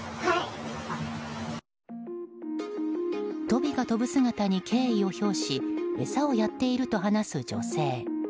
トビが飛ぶ姿に敬意を表し餌をやっていると話す女性。